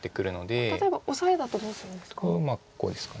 例えばオサエだとどうするんですか？とこうですか。